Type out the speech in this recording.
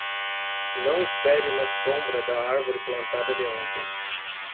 Não espere uma sombra da árvore plantada de ontem.